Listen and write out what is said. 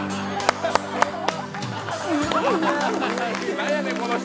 なんやねん、この人！